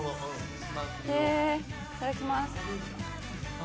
いただきます。